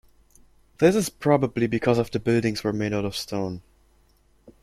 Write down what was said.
This is probably because the buildings were made out of stone.